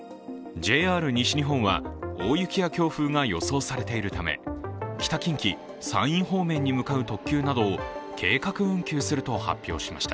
ＪＲ西日本は大雪や強風が予想されているため、北近畿、山陰方面に向かう特急などを計画運休すると発表しました。